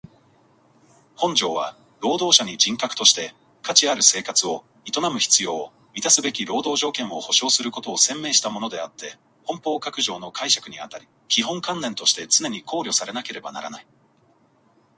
本条は労働者に人格として価値ある生活を営む必要を充すべき労働条件を保障することを宣明したものであつて本法各条の解釈にあたり基本観念として常に考慮されなければならない。